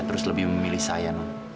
terus lebih memilih saya